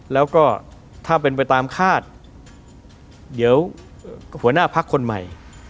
แล้วก็ถ้าเป็นไปตามคาดเดี๋ยวหัวหน้าพักคนใหม่